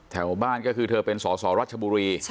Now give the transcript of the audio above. แถวบ้านก็คือเธอเป็นสอสอรัชบุรี